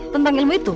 tentang ilmu itu